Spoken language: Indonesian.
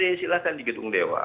ya silahkan di gedung dewa